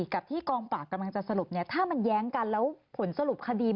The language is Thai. กับที่กองปราบกำลังจะสรุปเนี่ยถ้ามันแย้งกันแล้วผลสรุปคดี